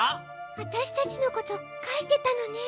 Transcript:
わたしたちのことかいてたのね。